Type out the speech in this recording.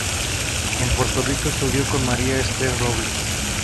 En Puerto Rico estudió con María Esther Robles.